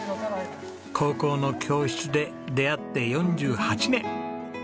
高校の教室で出会って４８年。